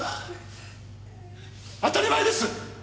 当たり前です！